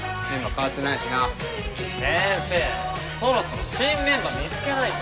先生そろそろ新メンバー見つけないと。